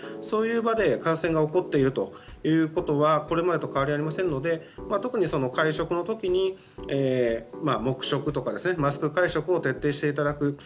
そういう場で感染が起こっているということはこれまでと変わりありませんので特に会食の時に黙食やマスク会食を徹底していただく。